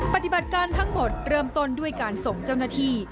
ปฏิบัติการทั้งหมดเริ่มต้นด้วยการส่งเจ้าหน้าที่